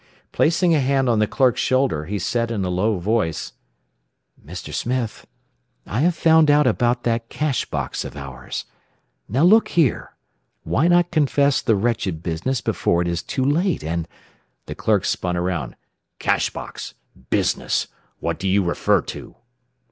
Placing a hand on the clerk's shoulder, he said in a low voice: "Mr. Smith, I have found out about that cash box of ours. Now look here, why not confess the wretched business before it is too late, and " The clerk spun about. "Cash box! Business! What do you refer to?"